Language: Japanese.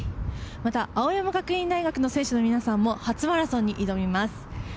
また、青山学院大学の選手の皆さんも初マラソンに挑みます。